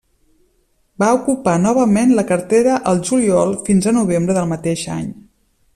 Va ocupar novament la cartera al juliol fins a novembre del mateix any.